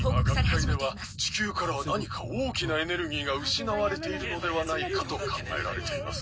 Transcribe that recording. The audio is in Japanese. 「今学会では地球から何か大きなエネルギーが失われているのではないかと考えられています」